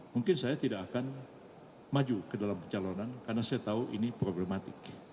mungkin saya tidak akan maju ke dalam pencalonan karena saya tahu ini problematik